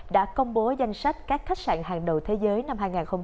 đã công bố danh sách các khách sạn hàng đầu thế giới năm hai nghìn hai mươi bốn